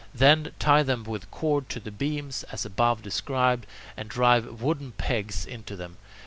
Then tie them with cord to the beams, as above described, and drive wooden pegs into them.